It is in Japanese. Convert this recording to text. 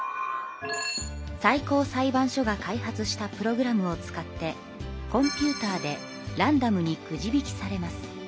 最高裁判所が開発したプログラムを使ってコンピューターでランダムにくじ引きされます。